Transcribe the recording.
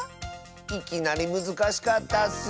いきなりむずかしかったッス。